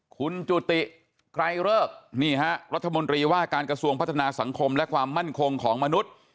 คุณจุติไกรเลิกนี่ฮะรัฐมนตรีว่าการกระทรวงพัฒนาสังคมและความมั่นคงของมนุษย์